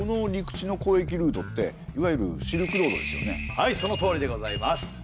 はいそのとおりでございます。